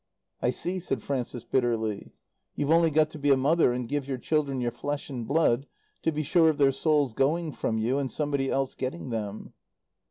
"I see," said Frances, bitterly. "You've only got to be a mother, and give your children your flesh and blood, to be sure of their souls going from you and somebody else getting them."